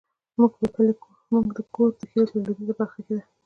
زمونږ کور د کلي په لويديځه برخه کې ده